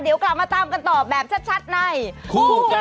เดี๋ยวกลับมาตามกันต่อแบบชัดในคู่กับสบัติเขา